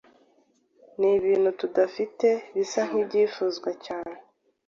Nibintu tudafite bisa nkibifuzwa cyane.